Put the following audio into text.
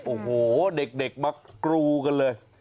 โอ้โหเด็กมากรูกันเลย